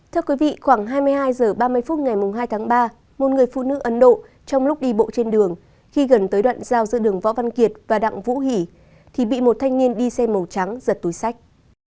thưa quý vị khoảng hai mươi hai h ba mươi phút ngày hai tháng ba một người phụ nữ ấn độ trong lúc đi bộ trên đường khi gần tới đoạn giao giữa đường võ văn kiệt và đặng vũ hỷ thì bị một thanh niên đi xe màu trắng giật túi sách